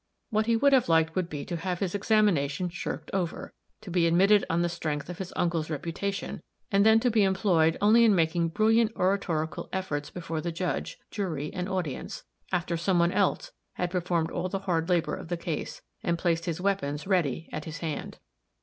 What he would have liked would be to have his examination shirked over, to be admitted on the strength of his uncle's reputation, and then to be employed only in making brilliant oratorical efforts before the judge, jury and audience, after some one else had performed all the hard labor of the case, and placed his weapons ready at his hand.